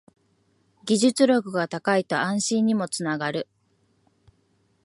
技術力が高いと安心にもつながる